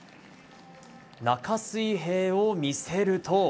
中水平を見せると。